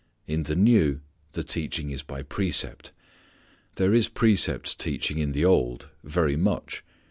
In the New the teaching is by precept. There is precept teaching in the Old; very much.